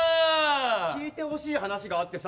聞いてほしい話があってさ。